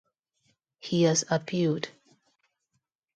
He has appealed.